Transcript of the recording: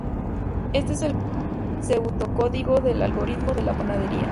Este es el pseudocódigo del algoritmo de la panadería.